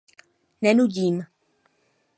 Nenudím.